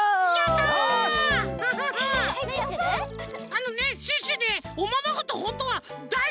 あのね